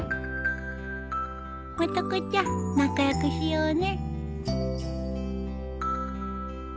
もと子ちゃん仲良くしようね。